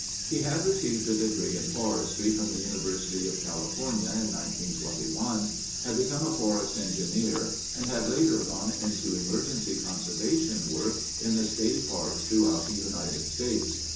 He had received a degree in forestry from the University of California in 1921, had become a forest engineer, and had later gone into emergency conservation work in the state parks throughout the United States.